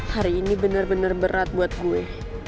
hari ini bener bener berat buat gue